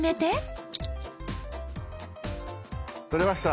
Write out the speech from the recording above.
撮れました！